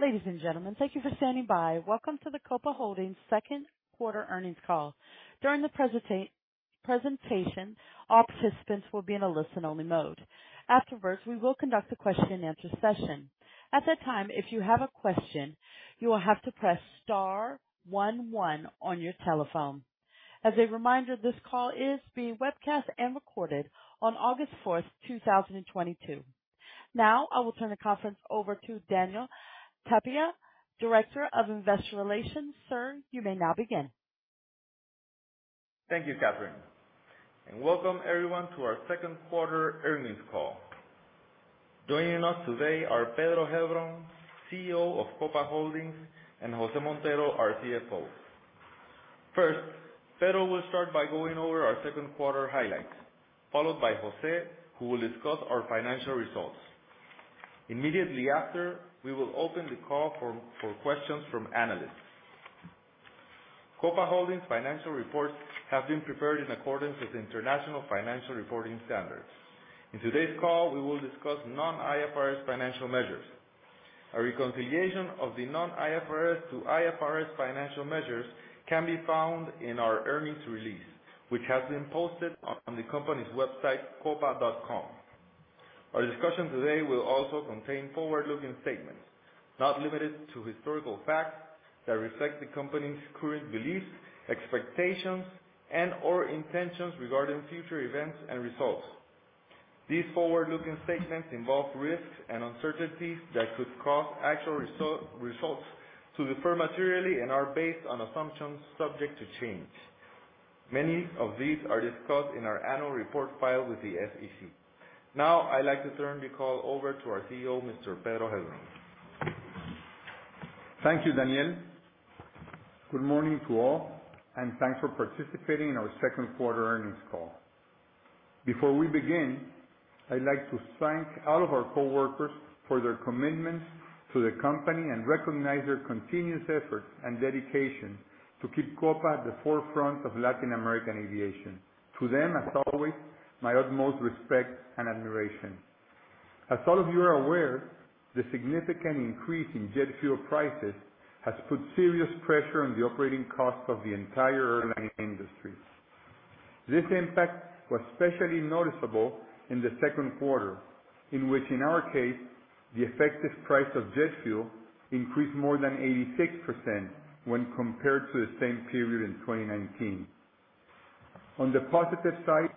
Ladies and gentlemen, thank you for standing by. Welcome to the Copa Holdings second quarter earnings call. During the presentation, all participants will be in a listen only mode. Afterwards, we will conduct a question-and-answer session. At that time, if you have a question, you will have to press star one one on your telephone. As a reminder, this call is being webcast and recorded on August 4th, 2022. Now I will turn the conference over to Daniel Tapia, Director of Investor Relations. Sir, you may now begin. Thank you, Catherine, and welcome everyone to our second quarter earnings call. Joining us today are Pedro Heilbron, CEO of Copa Holdings, and José Montero, our CFO. First, Pedro will start by going over our second quarter highlights, followed by José, who will discuss our financial results. Immediately after, we will open the call for questions from analysts. Copa Holdings financial reports have been prepared in accordance with International Financial Reporting Standards. In today's call, we will discuss non-IFRS financial measures. A reconciliation of the non-IFRS to IFRS financial measures can be found in our earnings release, which has been posted on the company's website, copa.com. Our discussion today will also contain forward-looking statements not limited to historical facts that reflect the company's current beliefs, expectations, and/or intentions regarding future events and results. These forward-looking statements involve risks and uncertainties that could cause actual results to differ materially and are based on assumptions subject to change. Many of these are discussed in our annual report filed with the SEC. Now I'd like to turn the call over to our CEO, Mr. Pedro Heilbron. Thank you, Daniel. Good morning to all, and thanks for participating in our second quarter earnings call. Before we begin, I'd like to thank all of our coworkers for their commitment to the company and recognize their continuous effort and dedication to keep Copa at the forefront of Latin American aviation. To them, as always, my utmost respect and admiration. As all of you are aware, the significant increase in jet fuel prices has put serious pressure on the operating costs of the entire airline industry. This impact was especially noticeable in the second quarter, in which, in our case, the effective price of jet fuel increased more than 86% when compared to the same period in 2019. On the positive side,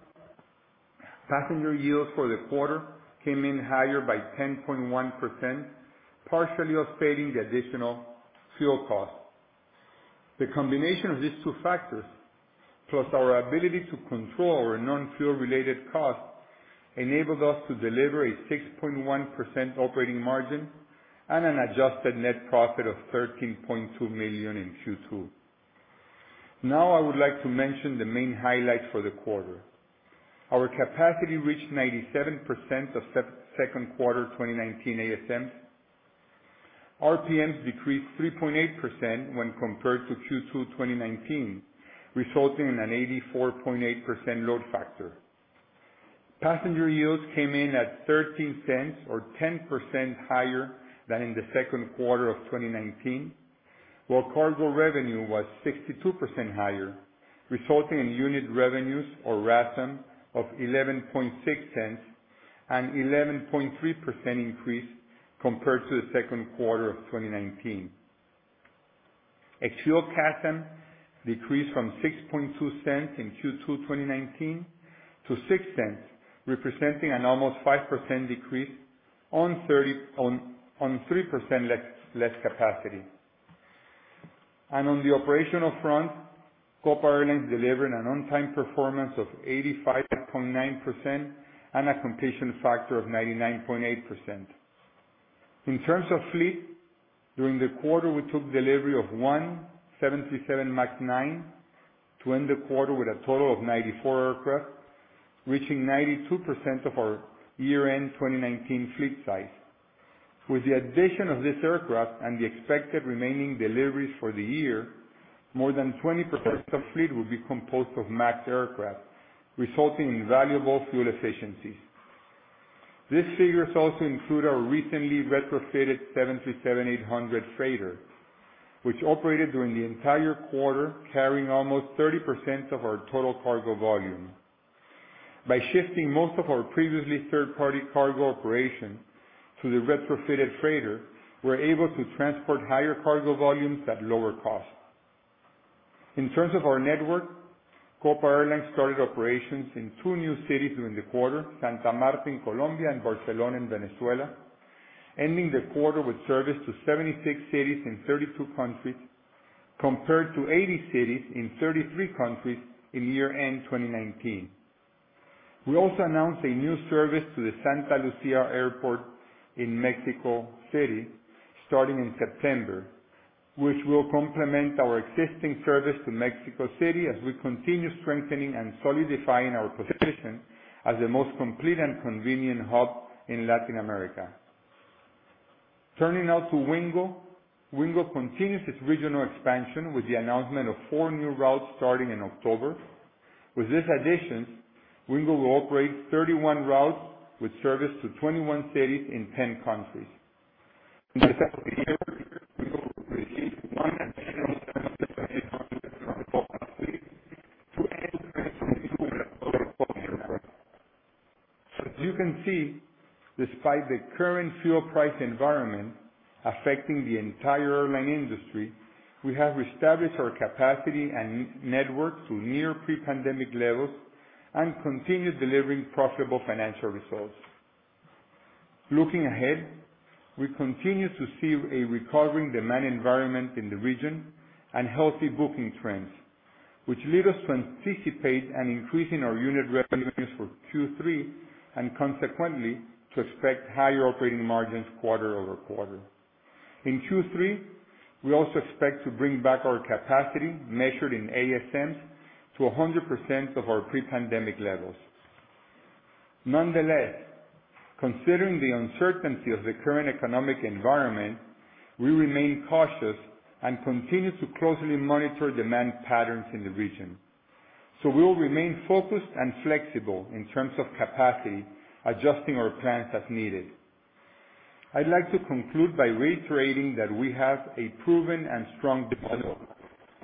passenger yield for the quarter came in higher by 10.1%, partially offsetting the additional fuel costs. The combination of these two factors, plus our ability to control our non-fuel related costs, enabled us to deliver a 6.1% operating margin and an adjusted net profit of $13.2 million in Q2. Now I would like to mention the main highlights for the quarter. Our capacity reached 97% of second quarter 2019 ASM. RPMs decreased 3.8% when compared to Q2 2019, resulting in an 84.8% load factor. Passenger yields came in at $0.13, or 10% higher than in the second quarter of 2019. While cargo revenue was 62% higher, resulting in unit revenues, or RASM, of $0.116, an 11.3% increase compared to the second quarter of 2019. Ex-fuel CASM decreased from $0.062 in Q2 2019 to $0.06, representing an almost 5% decrease on 3% less capacity. On the operational front, Copa Airlines delivered an on-time performance of 85.9% and a completion factor of 99.8%. In terms of fleet, during the quarter, we took delivery of one 737 MAX 9 to end the quarter with a total of 94 aircraft, reaching 92% of our year-end 2019 fleet size. With the addition of this aircraft and the expected remaining deliveries for the year, more than 20% of fleet will be composed of MAX aircraft, resulting in valuable fuel efficiency. These figures also include our recently retrofitted 737-800 freighter, which operated during the entire quarter, carrying almost 30% of our total cargo volume. By shifting most of our previously third-party cargo operations to the retrofitted freighter, we're able to transport higher cargo volumes at lower cost. In terms of our network, Copa Airlines started operations in two new cities during the quarter, Santa Marta in Colombia and Barcelona in Venezuela, ending the quarter with service to 76 cities in 32 countries, compared to 80 cities in 33 countries in year-end 2019. We also announced a new service to the Santa Lucía Airport in Mexico City starting in September, which will complement our existing service to Mexico City as we continue strengthening and solidifying our position as the most complete and convenient hub in Latin America. Turning now to Wingo. Wingo continues its regional expansion with the announcement of four new routes starting in October. With this addition, Wingo will operate 31 routes with service to 21 cities in 10 countries. In the second half of the year, Wingo will receive one additional 737 MAX 9 aircraft to end the year with a total of four aircraft. As you can see, despite the current fuel price environment affecting the entire airline industry, we have reestablished our capacity and network to near pre-pandemic levels and continue delivering profitable financial results. Looking ahead, we continue to see a recovering demand environment in the region and healthy booking trends, which lead us to anticipate an increase in our unit revenues for Q3 and consequently to expect higher operating margins quarter-over-quarter. In Q3, we also expect to bring back our capacity measured in ASMs to 100% of our pre-pandemic levels. Nonetheless, considering the uncertainty of the current economic environment, we remain cautious and continue to closely monitor demand patterns in the region. We will remain focused and flexible in terms of capacity, adjusting our plans as needed. I'd like to conclude by reiterating that we have a proven and strong development,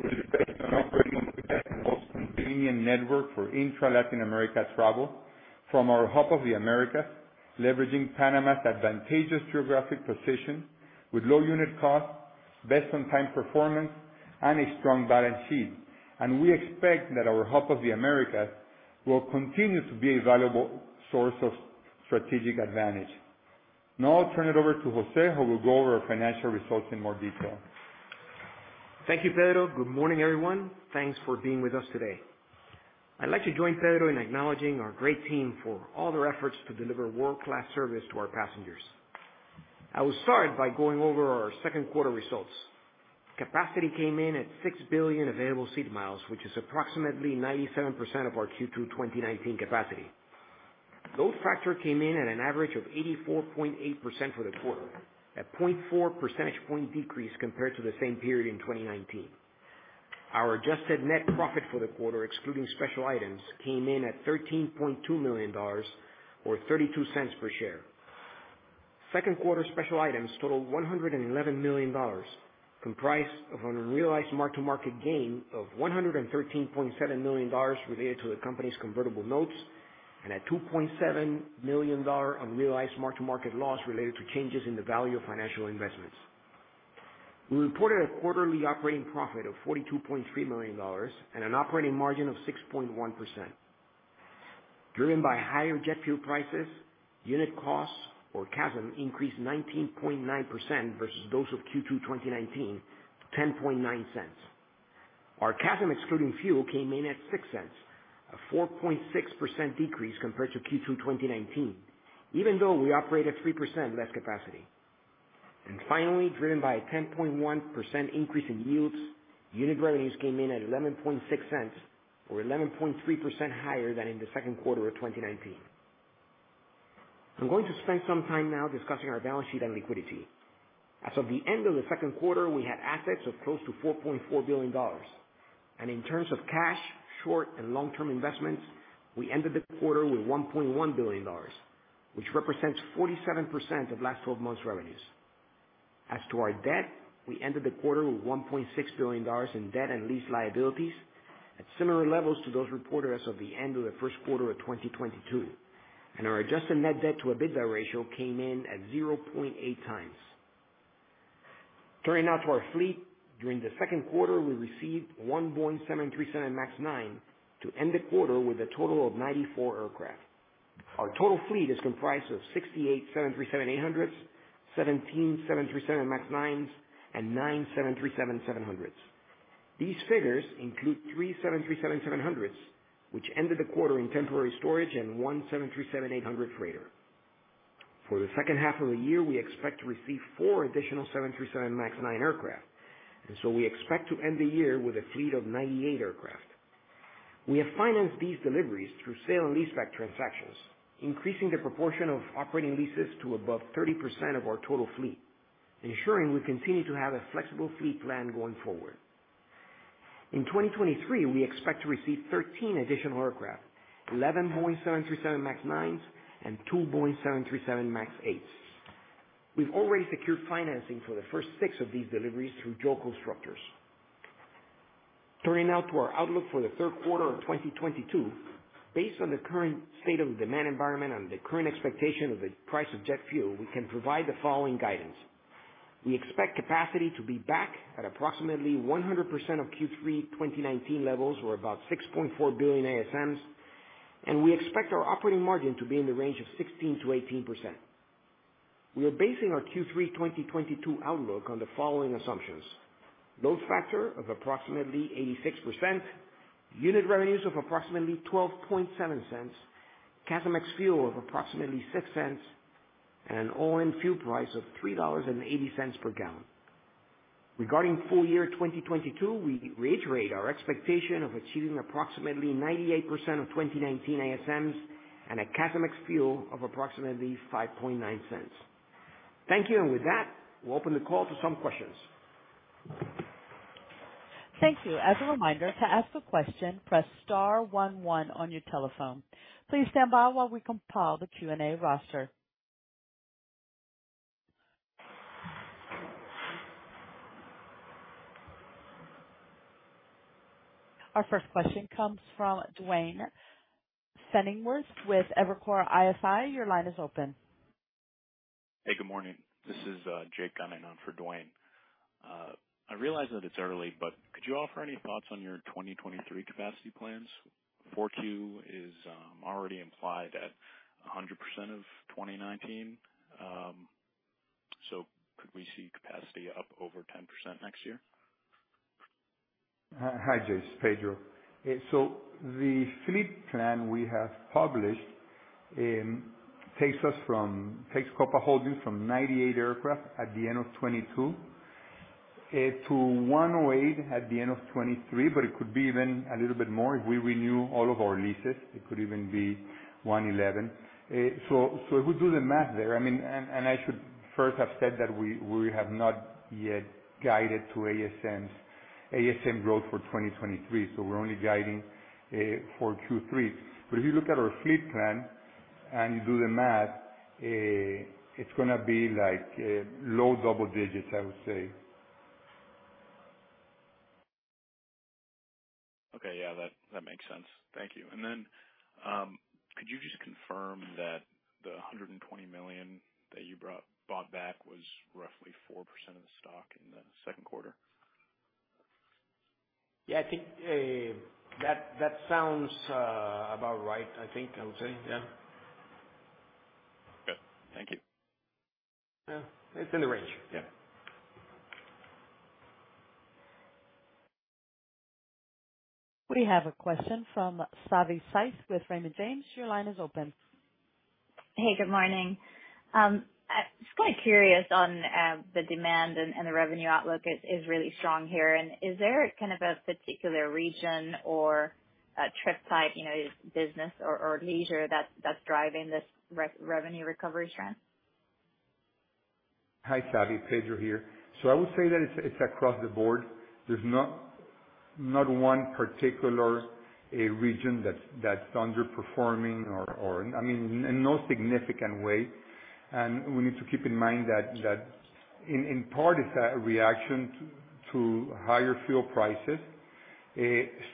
which is based on operating the best and most convenient network for intra-Latin America travel from our Hub of the Americas, leveraging Panama's advantageous geographic position with low unit costs, best on-time performance, and a strong balance sheet. We expect that our Hub of the Americas will continue to be a valuable source of strategic advantage. Now I'll turn it over to José, who will go over our financial results in more detail. Thank you, Pedro. Good morning, everyone. Thanks for being with us today. I'd like to join Pedro in acknowledging our great team for all their efforts to deliver world-class service to our passengers. I will start by going over our second quarter results. Capacity came in at 6 billion available seat miles, which is approximately 97% of our Q2 2019 capacity. Load factor came in at an average of 84.8% for the quarter, a 0.4 percentage point decrease compared to the same period in 2019. Our adjusted net profit for the quarter, excluding special items, came in at $13.2 million or $0.32 per share. Second quarter special items totaled $111 million, comprised of an unrealized mark-to-market gain of $113.7 million related to the company's convertible notes, and a $2.7 million unrealized mark-to-market loss related to changes in the value of financial investments. We reported a quarterly operating profit of $42.3 million and an operating margin of 6.1%. Driven by higher jet fuel prices, unit costs or CASM increased 19.9% versus those of Q2 2019 to $0.109. Our CASM excluding fuel came in at $0.06, a 4.6% decrease compared to Q2 2019, even though we operate at 3% less capacity. Finally, driven by a 10.1% increase in yields, unit revenues came in at $0.116 or 11.3% higher than in the second quarter of 2019. I'm going to spend some time now discussing our balance sheet and liquidity. As of the end of the second quarter, we had assets of close to $4.4 billion. In terms of cash, short and long-term investments, we ended the quarter with $1.1 billion, which represents 47% of last twelve months revenues. As to our debt, we ended the quarter with $1.6 billion in debt and lease liabilities at similar levels to those reported as of the end of the first quarter of 2022. Our adjusted net debt to EBITDA ratio came in at 0.8x. Turning now to our fleet. During the second quarter, we received one Boeing 737 MAX 9 to end the quarter with a total of 94 aircraft. Our total fleet is comprised of 68 737-800s, 17 737 MAX 9s, and nine 737-800s. These figures include three 737-800s, which ended the quarter in temporary storage and one 737-800 freighter. For the second half of the year, we expect to receive four additional 737 MAX 9 aircraft, and so we expect to end the year with a fleet of 98 aircraft. We have financed these deliveries through sale and leaseback transactions, increasing the proportion of operating leases to above 30% of our total fleet, ensuring we continue to have a flexible fleet plan going forward. In 2023, we expect to receive 13 additional aircraft, 11 Boeing 737 MAX 9, and two Boeing 737 MAX 8. We've already secured financing for the first six of these deliveries through local structures. Turning now to our outlook for the third quarter of 2022. Based on the current state of the demand environment and the current expectation of the price of jet fuel, we can provide the following guidance. We expect capacity to be back at approximately 100% of Q3 2019 levels, or about 6.4 billion ASMs, and we expect our operating margin to be in the range of 16%-18%. We are basing our Q3 2022 outlook on the following assumptions: load factor of approximately 86%, unit revenues of approximately $0.127, CASM ex-fuel of approximately $0.06, and an all-in fuel price of $3.80 per gallon. Regarding full year 2022, we reiterate our expectation of achieving approximately 98% of 2019 ASMs and a CASM ex-fuel of approximately $0.059. Thank you. With that, we'll open the call to some questions. Thank you. As a reminder, to ask a question, press star one one on your telephone. Please stand by while we compile the Q&A roster. Our first question comes from Duane Pfennigwerth with Evercore ISI. Your line is open. Hey, good morning. This is Jake Cunningham for Duane. I realize that it's early, but could you offer any thoughts on your 2023 capacity plans? 4Q is already implied at 100% of 2019. Could we see capacity up over 10% next year? Hi, Jake. It's Pedro. The fleet plan we have published takes Copa Holdings from 98 aircraft at the end of 2022 to 108 at the end of 2023, but it could be even a little bit more if we renew all of our leases. It could even be 111. If we do the math there, I mean, and I should first have said that we have not yet guided to ASMs, ASM growth for 2023, so we're only guiding for 2023. If you look at our fleet plan and you do the math, it's gonna be like low double-digits, I would say. Okay. Yeah. That makes sense. Thank you. Then, could you just confirm that the $120 million that you bought back was roughly 4% of the stock in the second quarter? Yeah, I think that sounds about right. I think I would say, yeah. Okay. Thank you. Yeah. It's in the range. Yeah. We have a question from Savi Syth with Raymond James. Your line is open. Hey, good morning. I was quite curious on the demand and the revenue outlook is really strong here. Is there kind of a particular region or a trip type, you know, is business or leisure that's driving this revenue recovery trend? Hi, Savi. Pedro here. I would say that it's across the board. There's not one particular region that's underperforming or I mean, in no significant way. We need to keep in mind that in part it's a reaction to higher fuel prices.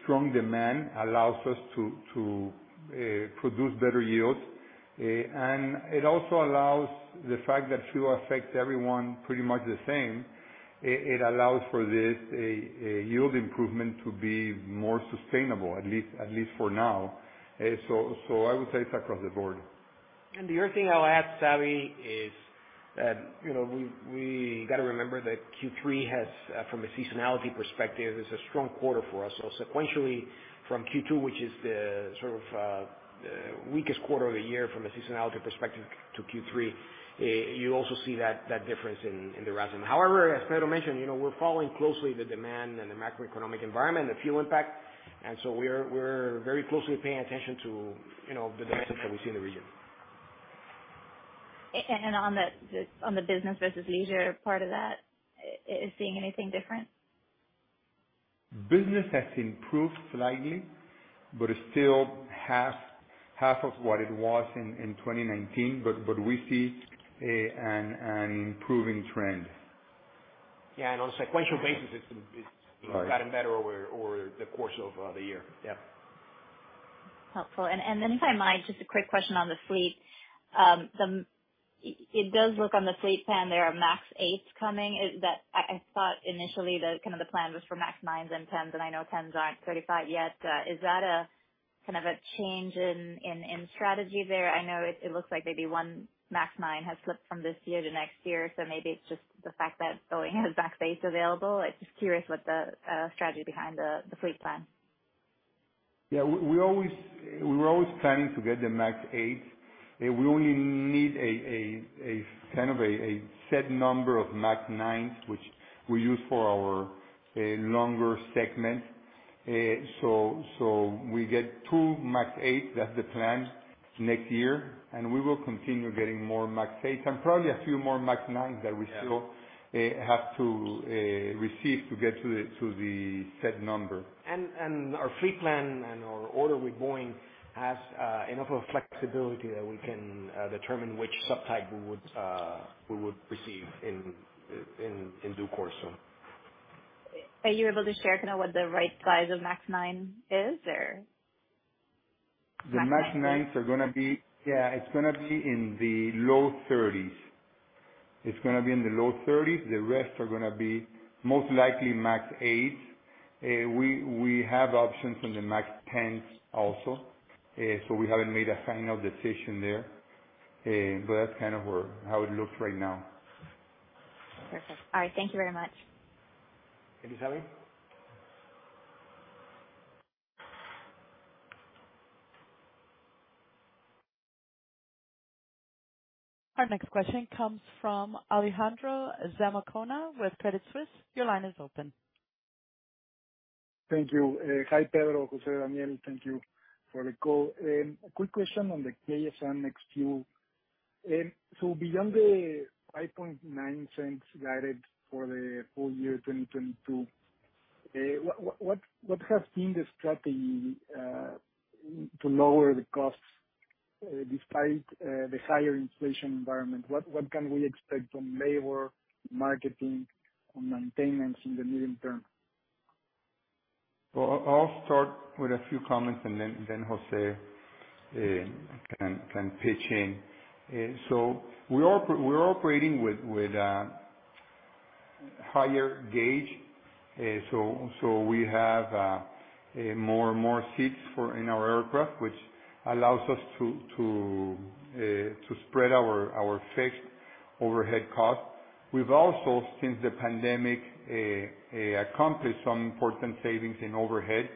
Strong demand allows us to produce better yields. It also allows the fact that fuel affects everyone pretty much the same. It allows for this yield improvement to be more sustainable, at least for now. I would say it's across the board. The other thing I'll add, Savi, is that, you know, we gotta remember that Q3 has from a seasonality perspective is a strong quarter for us. Sequentially from Q2, which is the sort of weakest quarter of the year from a seasonality perspective to Q3, you also see that difference in the RASM. However, as Pedro mentioned, you know, we're following closely the demand and the macroeconomic environment, the fuel impact. We're very closely paying attention to, you know, the dynamics that we see in the region. On the business versus leisure part of that, is seeing anything different? Business has improved slightly, but it's still half of what it was in 2019. We see an improving trend. Yeah. On a sequential basis, it's, you know, gotten better over the course of the year. Yeah. Helpful. Then if I might, just a quick question on the fleet. It does look on the fleet plan there are MAX eights coming. Is that I thought initially the kind of the plan was for MAX 9s and 10s, and I know tens aren't certified yet. Is that a kind of a change in strategy there? I know it looks like maybe one MAX nine has flipped from this year to next year, so maybe it's just the fact that Boeing has MAX 8s available. I'm just curious what the strategy behind the fleet plan. Yeah. We were always planning to get the MAX 8s. We only need a kind of set number of MAX 9s, which we use for our longer segments. So we get 2 MAX 8s, that's the plan next year. We will continue getting more MAX 8s and probably a few more MAX 9s that we still- Yeah. Have to receive to get to the set number. our fleet plan and our order with Boeing has enough of flexibility that we can determine which subtype we would receive in due course. Are you able to share kind of what the right size of MAX 9 is or MAX 10? The MAX 9s are gonna be alternatively in the low 30s. The rest are gonna be most likely MAX 8s. We have options on the MAX 10s also. We haven't made a final decision there. That's kind of where how it looks right now. Perfect. All right. Thank you very much. Thank you, Savi. Our next question comes from Alejandro Zamacona with Credit Suisse. Your line is open. Thank you. Hi Pedro, José, Daniel, thank you for the call. A quick question on the CASM ex-fuel. Beyond the $0.059 guided for the full year 2022, what has been the strategy to lower the costs despite the higher inflation environment? What can we expect on labor, marketing, on maintenance in the medium term? Well, I'll start with a few comments and then José can pitch in. So we're operating with higher gauge. So we have more seats in our aircraft, which allows us to spread our fixed overhead costs. We've also, since the pandemic, accomplished some important savings in overhead,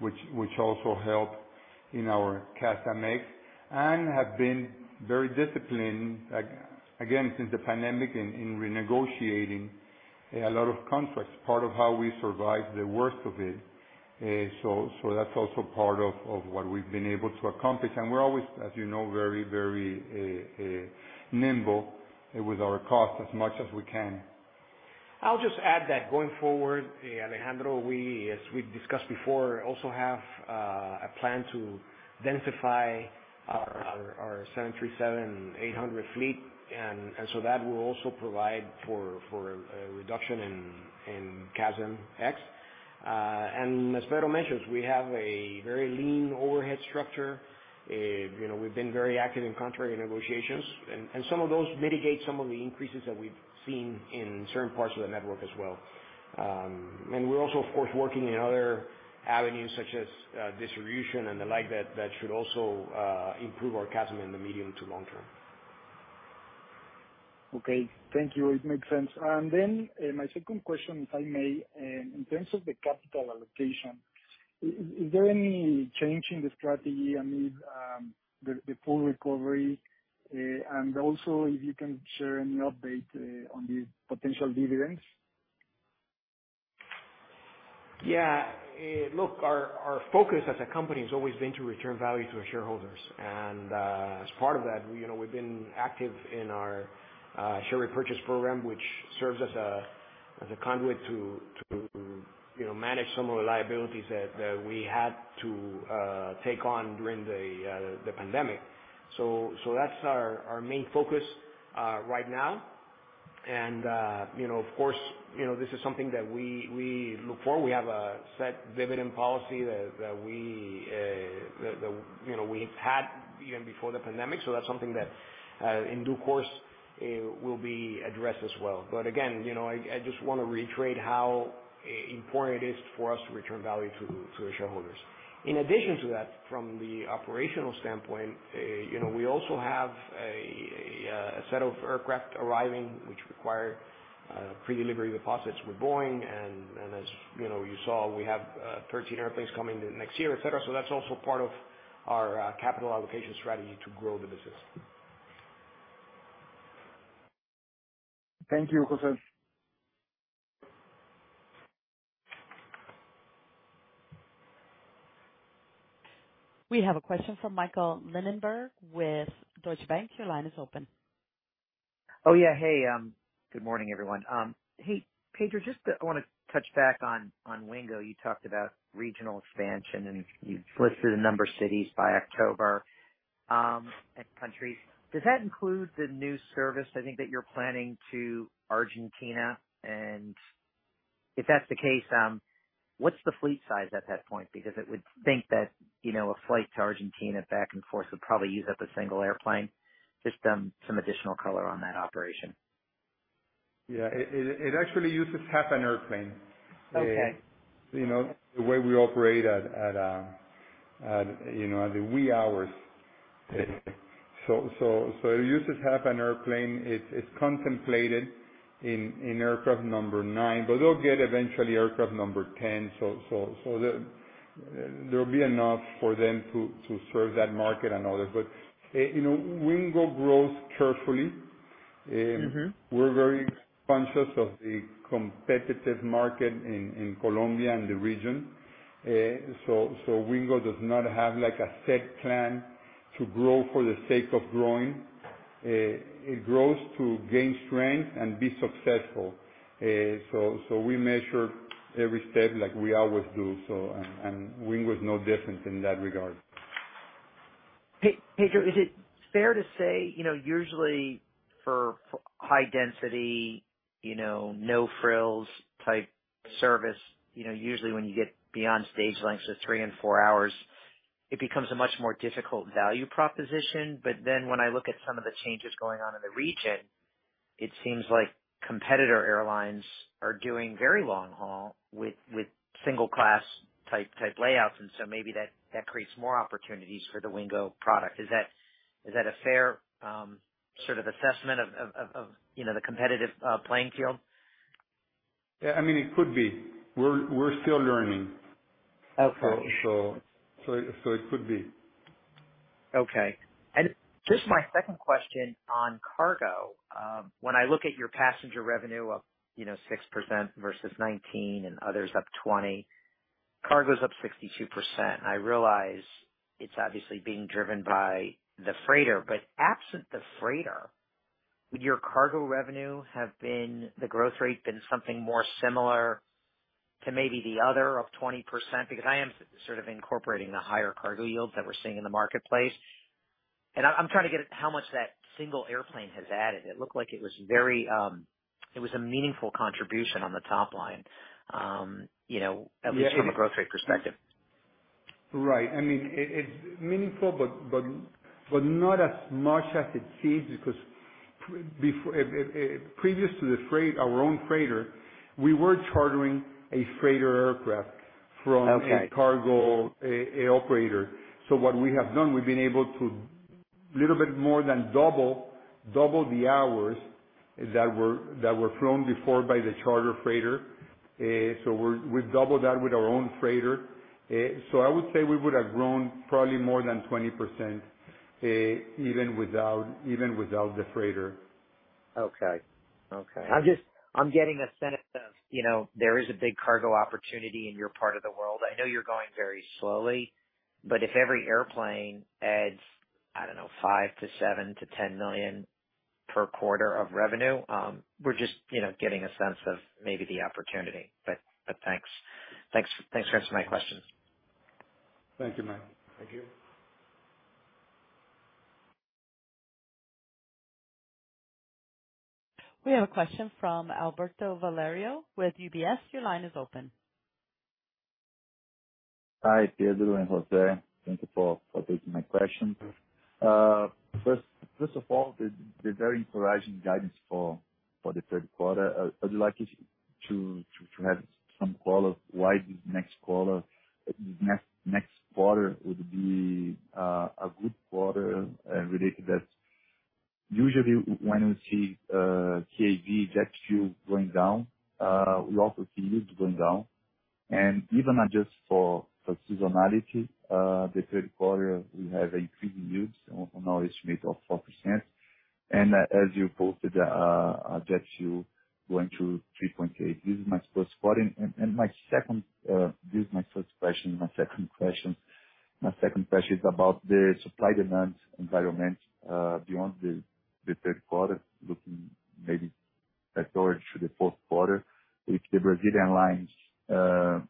which also helped in our CASMx, and have been very disciplined again, since the pandemic, in renegotiating a lot of contracts, part of how we survived the worst of it. So that's also part of what we've been able to accomplish. We're always, as you know, very nimble with our costs as much as we can. I'll just add that going forward, Alejandro, we, as we discussed before, also have a plan to densify our 737-800 fleet. So that will also provide for a reduction in CASMx. As Pedro mentioned, we have a very lean overhead structure. You know, we've been very active in contract negotiations. Some of those mitigate some of the increases that we've seen in certain parts of the network as well. We're also, of course, working in other avenues such as distribution and the like that should also improve our CASM in the medium-to-long term. Okay. Thank you. It makes sense. Then, my second question, if I may, in terms of the capital allocation, is there any change in the strategy amid the full recovery? Also if you can share any update on the potential dividends. Yeah. Look, our focus as a company has always been to return value to our shareholders. As part of that, you know, we've been active in our share repurchase program, which serves as a conduit to, you know, manage some of the liabilities that we had to take on during the pandemic. That's our main focus right now. You know, of course, you know, this is something that we look for. We have a set dividend policy that we had even before the pandemic. That's something that, in due course, will be addressed as well. Again, you know, I just wanna reiterate how important it is for us to return value to the shareholders. In addition to that, from the operational standpoint, you know, we also have a set of aircraft arriving which require pre-delivery deposits with Boeing. As you know, you saw, we have 13 airplanes coming in next year, et cetera. That's also part of our capital allocation strategy to grow the business. Thank you, José. We have a question from Michael Linenberg with Deutsche Bank. Your line is open. Hey, good morning, everyone. Hey, Pedro, just, I wanna touch back on Wingo. You talked about regional expansion, and you've listed a number of cities by October, and countries. Does that include the new service, I think that you're planning to Argentina? If that's the case, what's the fleet size at that point? Because I would think that, you know, a flight to Argentina back and forth would probably use up a single airplane. Just, some additional color on that operation. Yeah. It actually uses half an airplane. Okay. You know, the way we operate at the wee hours. It uses half an airplane. It's contemplated in aircraft number 9, but they'll get eventually aircraft number 10. There'll be enough for them to serve that market and others. You know, Wingo grows carefully. Mm-hmm. We're very conscious of the competitive market in Colombia and the region. Wingo does not have like a set plan to grow for the sake of growing. It grows to gain strength and be successful. We measure every step like we always do. Wingo is no different in that regard. Pedro, is it fair to say, you know, usually for high density, you know, no frills type service, you know, usually when you get beyond stage lengths of three and four hours, it becomes a much more difficult value proposition. When I look at some of the changes going on in the region, it seems like competitor airlines are doing very long haul with single class type layouts, and so maybe that creates more opportunities for the Wingo product. Is that a fair sort of assessment of, you know, the competitive playing field? Yeah, I mean, it could be. We're still learning. Okay. It could be. Okay. Just my second question on cargo. When I look at your passenger revenue up, you know, 6% versus 2019 and others up 20%, cargo's up 62%. I realize it's obviously being driven by the freighter, but absent the freighter, would your cargo revenue have been the growth rate been something more similar to maybe the other up 20%? Because I am sort of incorporating the higher cargo yields that we're seeing in the marketplace. I'm trying to get at how much that single airplane has added. It looked like it was a meaningful contribution on the top line. You know, at least from a growth rate perspective. Right. I mean, it's meaningful, but not as much as it seems, because previous to the freight, our own freighter, we were chartering a freighter aircraft from- Okay. A cargo operator. What we have done, we've been able to a little bit more than double the hours that were flown before by the charter freighter. We've doubled that with our own freighter. I would say we would have grown probably more than 20%, even without the freighter. Okay. I'm just getting a sense of, you know, there is a big cargo opportunity in your part of the world. I know you're going very slowly, but if every airplane adds, I don't know, $5 million to $7 million to $10 million per quarter of revenue, we're just, you know, getting a sense of maybe the opportunity. Thanks for answering my question. Thank you, Matt. Thank you. We have a question from Alberto Valerio with UBS. Your line is open. Hi, Pedro and José. Thank you for taking my question. First of all, the very encouraging guidance for the third quarter. I'd like to have some color why this next quarter would be a good quarter related that usually when we see crack jet fuel going down, we also see yields going down. Even adjusted for seasonality, the third quarter, we have increasing yields on our estimate of 4%. As you posted, your jet fuel going to $3.8. This is my first question. My second question is about the supply demand environment beyond the third quarter, looking maybe towards the fourth quarter. If the Brazilian airlines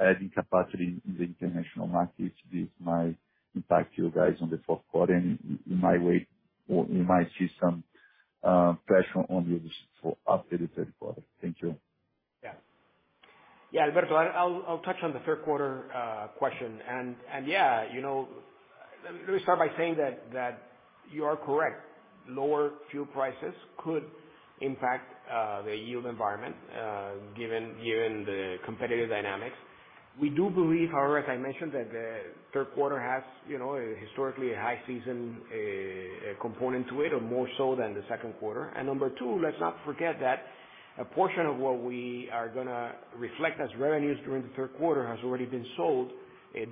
adding capacity in the international markets, this might impact you guys on the fourth quarter, and in my view, you might see some pressure on yields after the third quarter. Thank you. Yeah. Yeah, Alberto. I'll touch on the third quarter question. Yeah, you know, let me start by saying that you are correct. Lower fuel prices could impact the yield environment given the competitiv \e dynamics. We do believe, however, as I mentioned, that the third quarter has, you know, a historically high season component to it, or more so than the second quarter. Number two, let's not forget that a portion of what we are gonna reflect as revenues during the third quarter has already been sold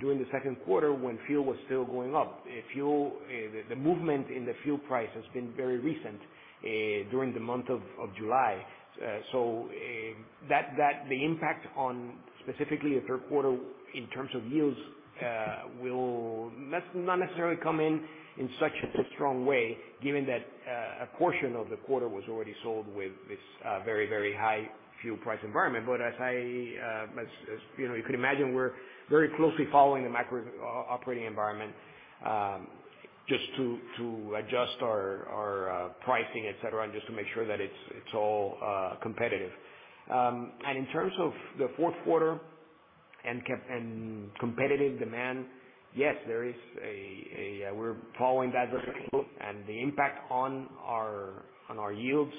during the second quarter when fuel was still going up. The movement in the fuel price has been very recent during the month of July. The impact on specifically the third quarter in terms of yields will not necessarily come in such a strong way given that a portion of the quarter was already sold with this very, very high fuel price environment. As you know, you can imagine, we're very closely following the macroeconomic environment just to adjust our pricing, et cetera, and just to make sure that it's all competitive. In terms of the fourth quarter and competitive demand, yes, we're following that very closely. The impact on our yields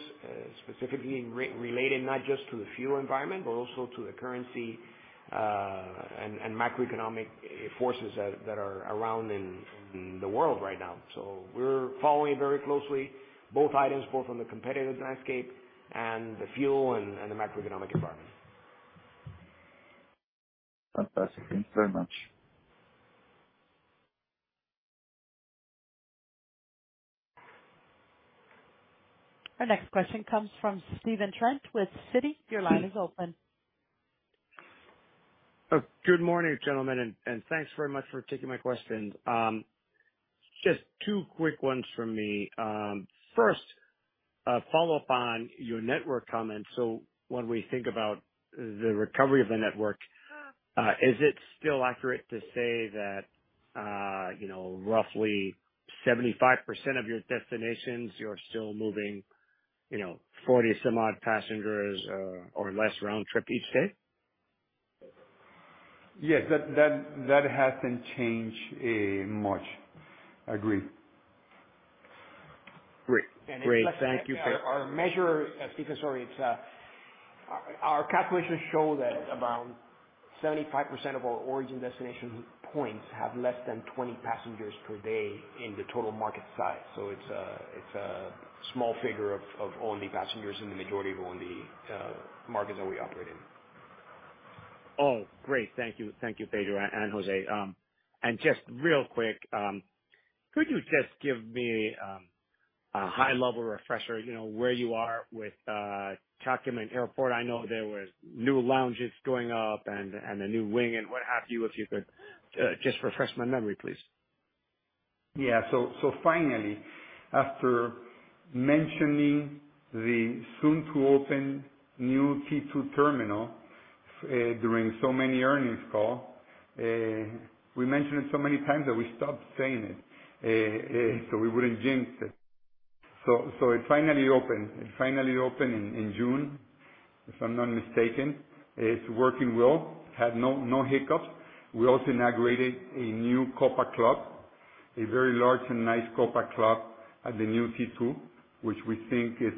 specifically related not just to the fuel environment, but also to the currency and macroeconomic forces that are around in the world right now. We're following very closely both items, both from the competitive landscape and the fuel and the macroeconomic environment. Fantastic. Thanks very much. Our next question comes from Stephen Trent with Citi. Your line is open. Good morning, gentlemen, and thanks very much for taking my questions. Just two quick ones from me. First, a follow-up on your network comments. When we think about the recovery of the network, is it still accurate to say that, you know, roughly 75% of your destinations, you're still moving, you know, 40-some-odd passengers or less round trip each day? Yes. That hasn't changed much. Agree. Great. Thank you. Our measure, Stephen, sorry. It's our calculations show that around 75% of our origin destination points have less than 20 passengers per day in the total market size. It's a small figure of O&D passengers in the majority of O&D markets that we operate in. Oh, great. Thank you. Thank you, Pedro and José. Just real quick, could you just give me a high level refresher, you know, where you are with Tocumen Airport? I know there was new lounges going up and a new wing and what have you. If you could just refresh my memory, please. Finally, after mentioning the soon-to-open new T2 terminal during so many earnings calls, we mentioned it so many times that we stopped saying it so we wouldn't jinx it. It finally opened. It finally opened in June, if I'm not mistaken. It's working well. Had no hiccups. We also inaugurated a new Copa Club, a very large and nice Copa Club at the new T2, which we think is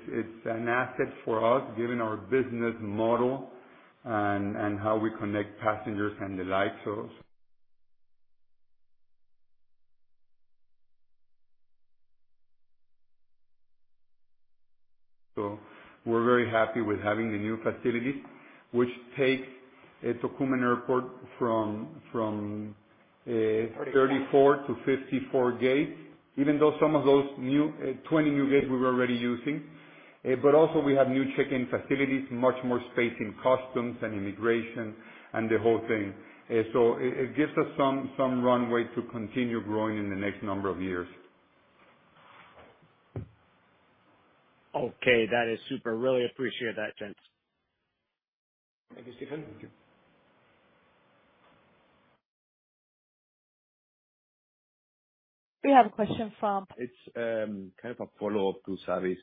an asset for us, given our business model and how we connect passengers and the like. We're very happy with having the new facilities, which takes Tocumen Airport from 34 to 54 gates, even though some of those new 20 new gates we were already using. also we have new check-in facilities, much more space in customs and immigration and the whole thing. it gives us some runway to continue growing in the next number of years. Okay. That is super. Really appreciate that, gents. Thank you, Stephen. Thank you. We have a question from- It's kind of a follow-up to Savi.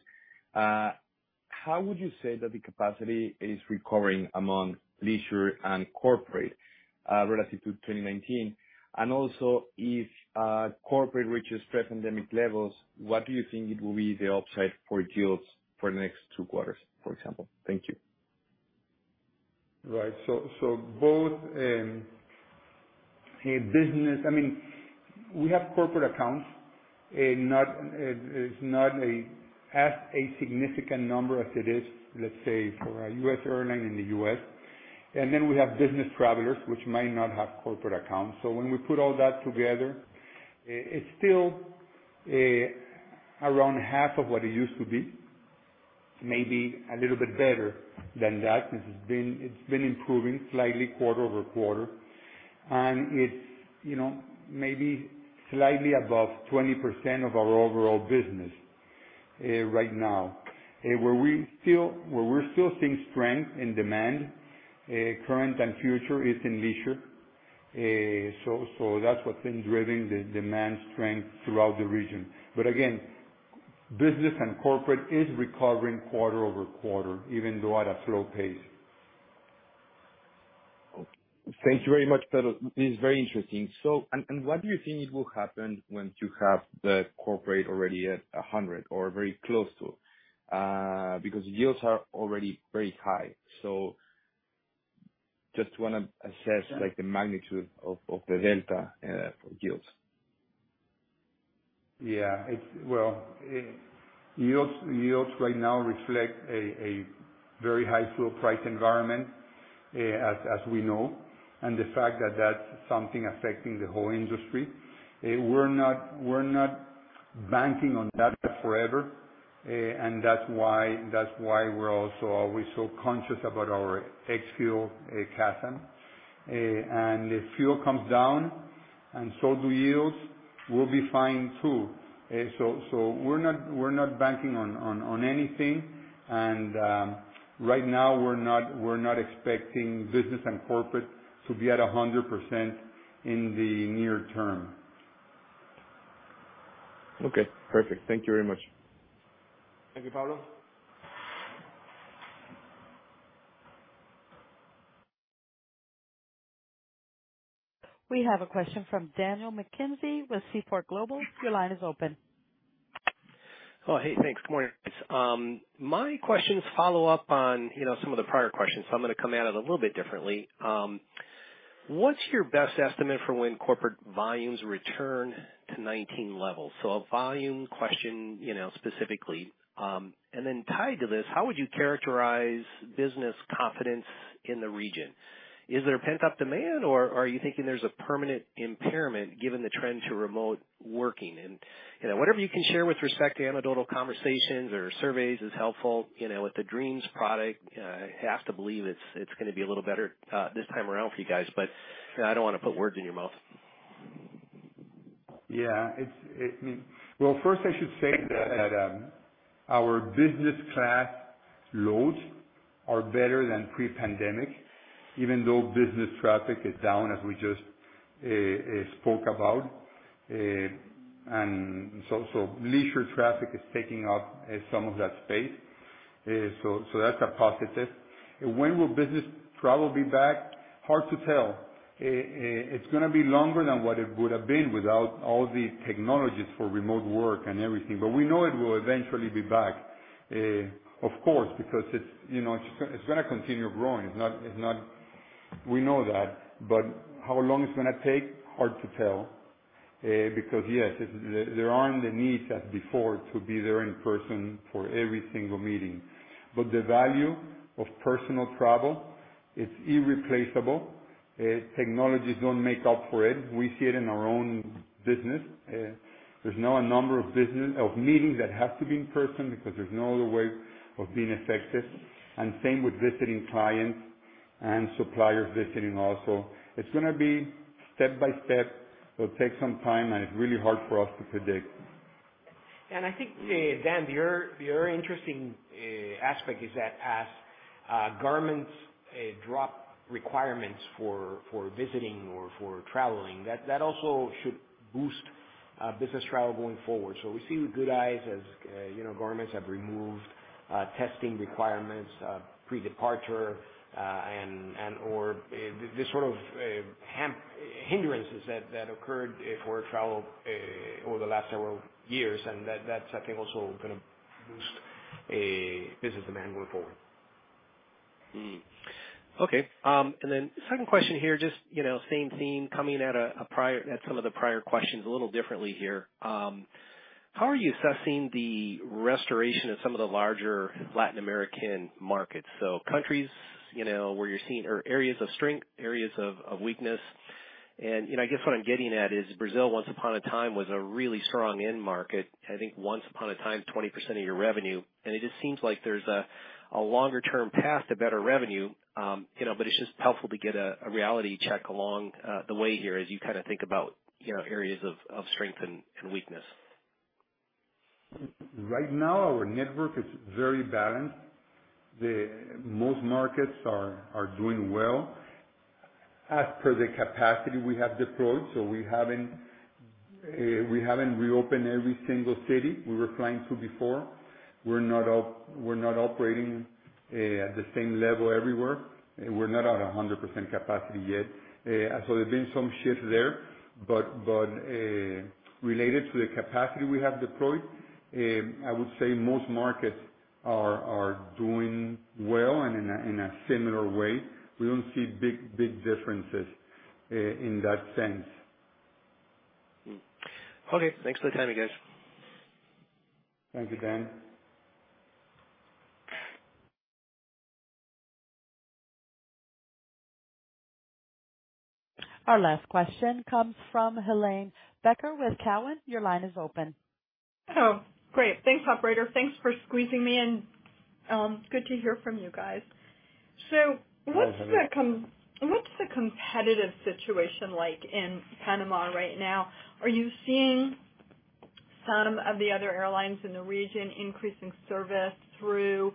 How would you say that the capacity is recovering among leisure and corporate relative to 2019? Also, if corporate reaches pre-pandemic levels, what do you think it will be the upside for yields for the next two quarters, for example? Thank you. Right. Both business. I mean, we have corporate accounts. Not as significant a number as it is, let's say, for a U.S. airline in the U.S. We have business travelers which might not have corporate accounts. When we put all that together, it's still around half of what it used to be, maybe a little bit better than that. It's been improving slightly quarter-over-quarter. It's, you know, maybe slightly above 20% of our overall business right now. Where we're still seeing strength in demand, current and future, is in leisure. That's what's been driving the demand strength throughout the region. Again, business and corporate is recovering quarter-over-quarter, even though at a slow pace. Thank you very much, Pedro. This is very interesting. What do you think it will happen once you have the corporate already at 100 or very close to? Because yields are already very high. Just wanna assess, like, the magnitude of the delta yields. Yeah. Well, yields right now reflect a very high fuel price environment, as we know, and the fact that that's something affecting the whole industry. We're not banking on that forever, and that's why we're also always so conscious about our ex-fuel CASM. If fuel comes down and so do yields, we'll be fine too. We're not banking on anything. Right now we're not expecting business and corporate to be at 100% in the near term. Okay. Perfect. Thank you very much. Thank you, Pablo. We have a question from Daniel McKenzie with Seaport Global. Your line is open. Good morning, guys. My questions follow up on, you know, some of the prior questions, I'm gonna come at it a little bit differently. What's your best estimate for when corporate volumes return to 2019 levels? A volume question, you know, specifically. Tied to this, how would you characterize business confidence in the region? Is there a pent-up demand or are you thinking there's a permanent impairment given the trend to remote working? Whatever you can share with respect to anecdotal conversations or surveys is helpful. You know, with the Dreams product, I have to believe it's gonna be a little better this time around for you guys, but I don't wanna put words in your mouth. Yeah. Well, first I should say that our business class loads are better than pre-pandemic, even though business traffic is down, as we just spoke about. Leisure traffic is taking up some of that space. That's a positive. When will business travel be back? Hard to tell. It's gonna be longer than what it would have been without all the technologies for remote work and everything. We know it will eventually be back, of course, because it's, you know, it's gonna continue growing. We know that, but how long it's gonna take, hard to tell, because yes, there aren't the needs as before to be there in person for every single meeting. The value of personal travel is irreplaceable. Technologies don't make up for it. We see it in our own business. There's now a number of business meetings that have to be in person because there's no other way of being effective. Same with visiting clients and suppliers visiting also. It's gonna be step by step. It'll take some time, and it's really hard for us to predict. I think, Dan, your interesting aspect is that as governments drop requirements for visiting or for traveling, that also should boost business travel going forward. We see with good eyes as you know, governments have removed testing requirements pre-departure and/or this sort of hindrances that occurred for travel over the last several years. That's, I think, also gonna boost business demand going forward. Okay. Second question here, just, you know, same theme, coming at some of the prior questions a little differently here. How are you assessing the restoration of some of the larger Latin American markets? Countries, you know, where you're seeing areas of strength, areas of weakness. You know, I guess what I'm getting at is Brazil, once upon a time, was a really strong end market. I think once upon a time, 20% of your revenue. It just seems like there's a longer term path to better revenue, you know. It's just helpful to get a reality check along the way here as you kinda think about, you know, areas of strength and weakness. Right now, our network is very balanced. Most markets are doing well as per the capacity we have deployed. We haven't reopened every single city we were flying to before. We're not operating at the same level everywhere. We're not at 100% capacity yet. There's been some shifts there. Related to the capacity we have deployed, I would say most markets are doing well and in a similar way. We don't see big differences in that sense. Okay. Thanks for the time, you guys. Thank you, Dan. Our last question comes from Helane Becker with Cowen. Your line is open. Oh, great. Thanks, operator. Thanks for squeezing me in. Good to hear from you guys. What's the com- Hi, Helane. What's the competitive situation like in Panama right now? Are you seeing some of the other airlines in the region increasing service through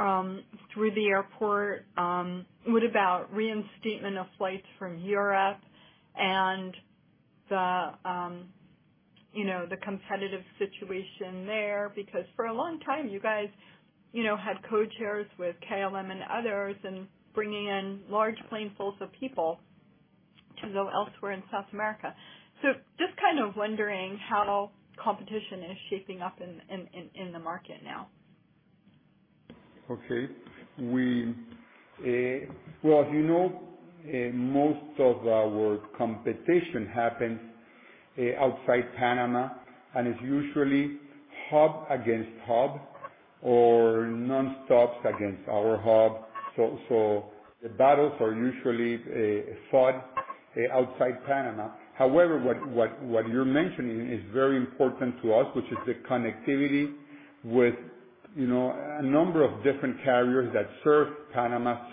the airport? What about reinstatement of flights from Europe and the, you know, the competitive situation there? Because for a long time, you guys, you know, had codeshares with KLM and others, and bringing in large planefuls of people to go elsewhere in South America. Just kind of wondering how competition is shaping up in the market now. Okay. Well, as you know, most of our competition happens outside Panama, and it's usually hub against hub or non-stops against our hub. The battles are usually fought outside Panama. However, what you're mentioning is very important to us, which is the connectivity with, you know, a number of different carriers that serve Panama,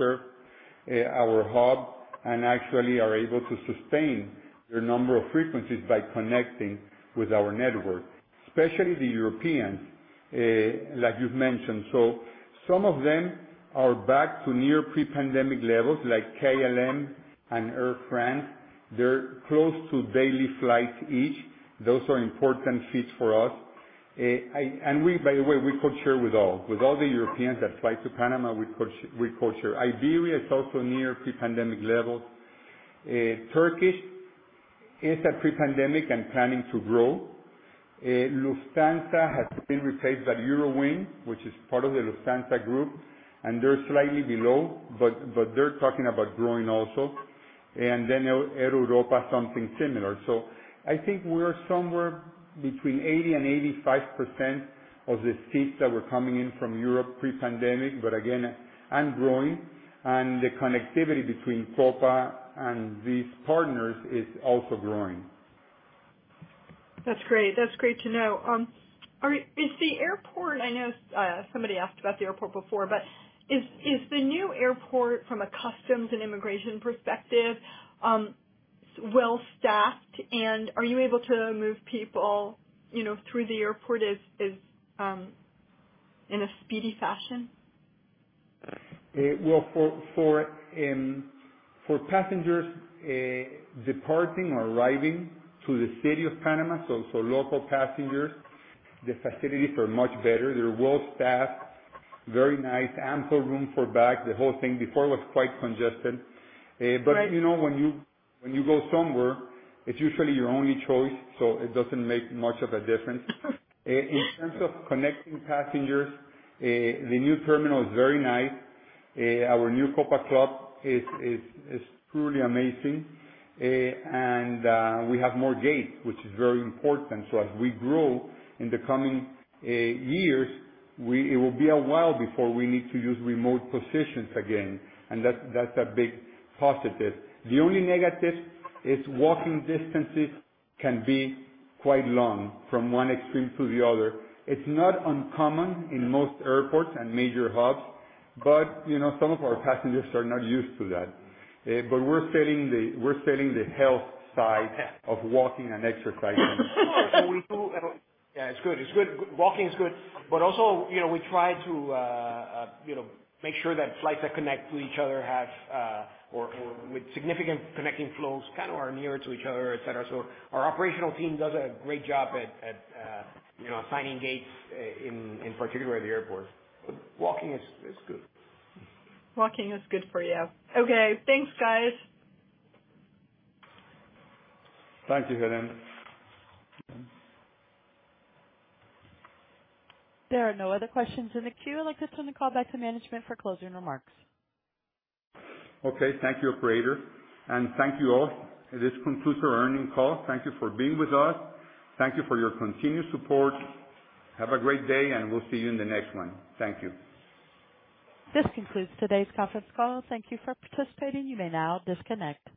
our hub, and actually are able to sustain their number of frequencies by connecting with our network, especially the Europeans, like you've mentioned. Some of them are back to near pre-pandemic levels, like KLM and Air France. They're close to daily flights each. Those are important seats for us. By the way, we code share with all the Europeans that fly to Panama. Iberia is also near pre-pandemic levels. Turkish is at pre-pandemic and planning to grow. Lufthansa has been replaced by Eurowings, which is part of the Lufthansa Group, and they're slightly below, but they're talking about growing also. Air Europa, something similar. I think we're somewhere between 80% and 85% of the seats that were coming in from Europe pre-pandemic, but again, and growing. The connectivity between Copa and these partners is also growing. That's great. That's great to know. Is the airport, I know, somebody asked about the airport before, but is the new airport from a customs and immigration perspective well-staffed, and are you able to move people, you know, through the airport as in a speedy fashion? Well, for passengers departing or arriving to the city of Panama, so local passengers, the facilities are much better. They're well-staffed, very nice, ample room for bags, the whole thing. Before it was quite congested. You know, when you go somewhere, it's usually your only choice, so it doesn't make much of a difference. In terms of connecting passengers, the new terminal is very nice. Our new Copa Club is truly amazing. We have more gates, which is very important. As we grow in the coming years, it will be a while before we need to use remote positions again, and that's a big positive. The only negative is walking distances can be quite long from one extreme to the other. It's not uncommon in most airports and major hubs, but you know, some of our passengers are not used to that. We're selling the health side of walking and exercising. Sure. We do. It's good. Walking is good. But also, you know, we try to, you know, make sure that flights that connect to each other have or with significant connecting flows kind of are nearer to each other, et cetera. Our operational team does a great job at, you know, assigning gates in particular at the airport. Walking is good. Walking is good for you. Okay. Thanks, guys. Thank you, Helane. There are no other questions in the queue. I'd like to turn the call back to management for closing remarks. Okay. Thank you, operator, and thank you all. This concludes our earnings call. Thank you for being with us. Thank you for your continued support. Have a great day, and we'll see you in the next one. Thank you. This concludes today's conference call. Thank you for participating. You may now disconnect.